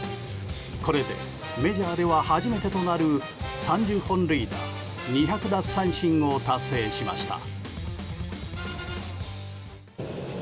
これでメジャーでは初めてとなる３０本塁打２００奪三振を達成しました。